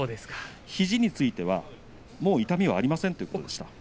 肘についてはもう痛みはありませんということでした。